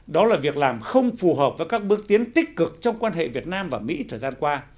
đó là việc làm không phù hợp với các bước tiến tích cực trong quan hệ việt nam và mỹ thời gian qua